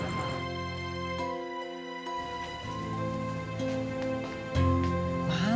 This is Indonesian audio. kenang banyak nih